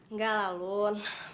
nggak lah lun